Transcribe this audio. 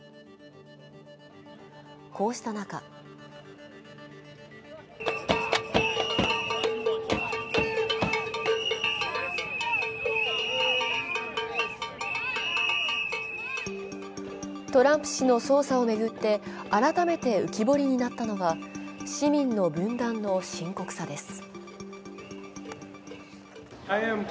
こうした中トランプ氏の捜査を巡って改めて浮き彫りになったのは市民の分断の深刻さです。